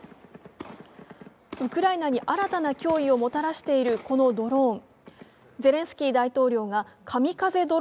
ウクライナに新たな脅威をもたらしているこのドローン。